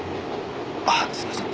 あすいません。